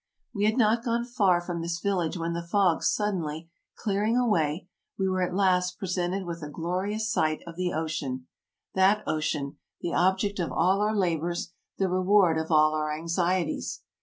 We had not gone far from this village when the fog suddenly clear ing away, we were at last presented with a glorious sight of the ocean — that ocean, the object of all our labors, the reward of all our anxieties.